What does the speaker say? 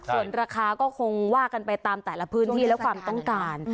ส่วนราคาก็คงว่ากันไปตามแต่ละพื้นที่และความต้องการ